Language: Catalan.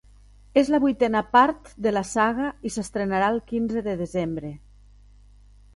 És la vuitena part de la saga i s’estrenarà el quinze de desembre.